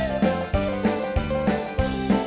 น้องเป็นซาวเทคนิคตาคมพมยาว